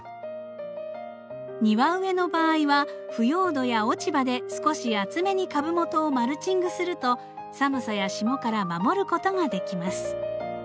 庭植えの場合は腐葉土や落ち葉で少し厚めに株元をマルチングすると寒さや霜から守ることができます。